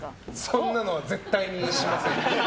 そんなのは絶対にしません。